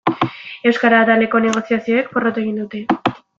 Euskara ataleko negoziazioek porrot egin dute.